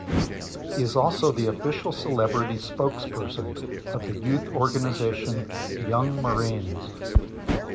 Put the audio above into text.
He is also the official celebrity spokesperson of the youth organization, "Young Marines".